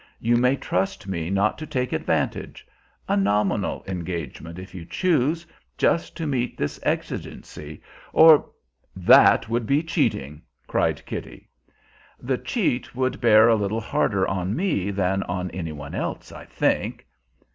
You may trust me not to take advantage. A nominal engagement, if you choose, just to meet this exigency; or" "That would be cheating," cried Kitty. "The cheat would bear a little harder on me than on any one else, I think."